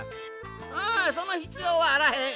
ああそのひつようはあらへん。